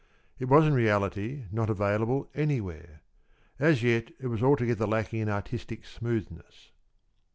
It was in reality not available anywhere. As yet it was altogether lacking in artistic smoothness.